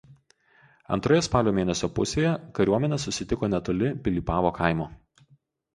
Antroje spalio mėnesio pusėje kariuomenės susitiko netoli Pilypavo kaimo.